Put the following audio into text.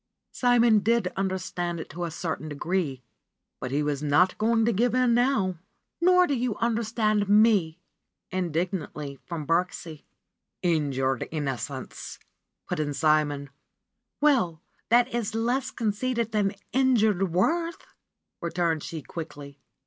Simon did understand it to a certain degree, but he was not going to give in now. ''Nor do you understand me!" indignantly from Birksie. ^Tnjured innocence !" put in Simon. ^^Well, that is less conceited than injured Worth'!" returned she quickly.